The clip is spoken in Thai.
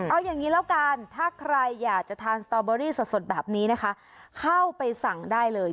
เอาอย่างนี้แล้วกันถ้าใครอยากจะทานสตอเบอรี่สดแบบนี้นะคะเข้าไปสั่งได้เลย